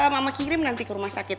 mama kirim nanti ke rumah sakit